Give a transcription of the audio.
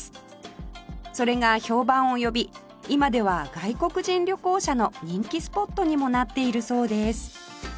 それが評判を呼び今では外国人旅行者の人気スポットにもなっているそうです